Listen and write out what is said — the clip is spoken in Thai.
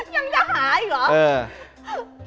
ยังจะหาอีกเหรอ